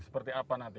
seperti apa nanti